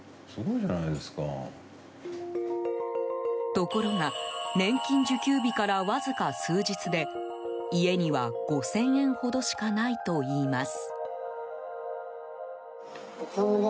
ところが年金受給日からわずか数日で家には５０００円ほどしかないといいます。